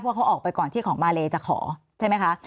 เพราะเขาออกไปก่อนที่ของมาเลจะขอใช่ไหมคะ